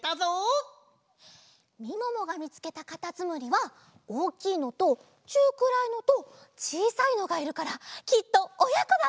みももがみつけたかたつむりはおおきいのとちゅうくらいのとちいさいのがいるからきっとおやこだね！